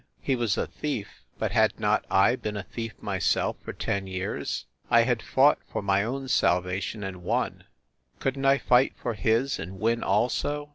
He was a thief; but had not I been a thief myself for ten years ? I had fought for my own salvation and won. Couldn t I fight for his and win, also?